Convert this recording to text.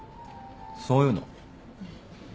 そういうの？